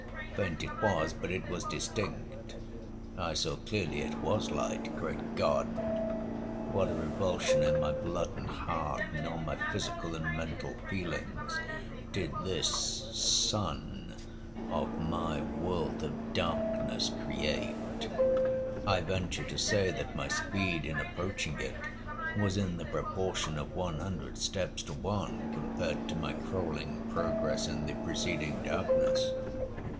Faint it was, but it was distinct,—I saw clearly it was light. Great God! what a revulsion in my blood and heart, in all my physical and mental feelings, did this sun of my world of darkness create! I venture to say, that my speed in approaching it was in the proportion of one hundred steps to one, compared to my crawling progress in the preceding darkness.